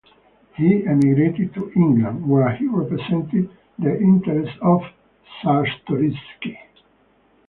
He emigrated to England, where he represented the interests of Czartoryski.